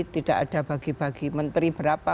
tidak ada bagi bagi menteri berapa